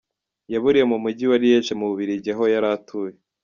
Yaburiye mu mujyi wa Liège mu Bubiligi aho yari atuye.